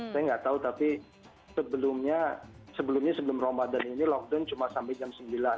saya nggak tahu tapi sebelumnya sebelum ramadan ini lockdown cuma sampai jam sembilan